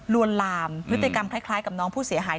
วนลามพฤติกรรมคล้ายกับน้องผู้เสียหาย